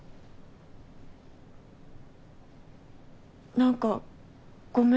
何かごめん。